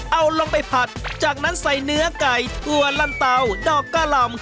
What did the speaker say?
เอาลงไปผัดจากนั้นใส่เนื้อไก่ถั่วลันเตาดอกกะหล่ำ